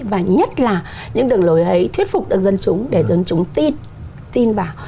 và nhất là những đường lối ấy thuyết phục được dân chúng để dân chúng tin tin vào